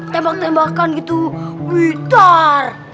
tembak tembakan gitu witar